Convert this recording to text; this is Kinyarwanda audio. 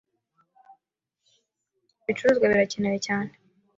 Ibicuruzwa birakenewe cyane.